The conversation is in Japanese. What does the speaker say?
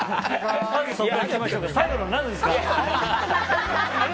最後の何ですか？